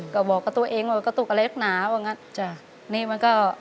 ก็บอกกับตัวเองว่ากระตุกอะไรนักหนาว่างั้นจ้ะนี่มันก็